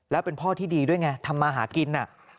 แล้วเป็นพ่อที่ดีด้วยไงทำมาหากิน